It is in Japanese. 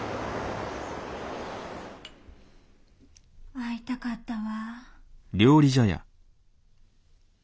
会いたかったわ。